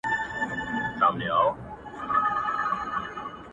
ټول ګونګي دي ورته ګوري ژبي نه لري په خولو کي،